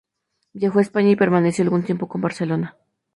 Viajó a España y permaneció algún tiempo en Barcelona.